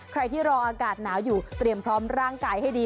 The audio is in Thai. ใครที่รออากาศหนาวอยู่เตรียมพร้อมร่างกายให้ดี